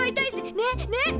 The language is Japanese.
ねっねっ！